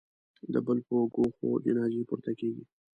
د بل په اوږو خو جنازې پورته کېږي